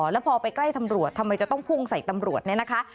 แล้วพอไปใกล้ตำรวจทำไมจะต้องพุ่งใส่ตำรวจเนี่ยนะคะ